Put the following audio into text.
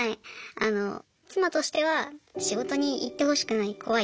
あの妻としては仕事に行ってほしくない。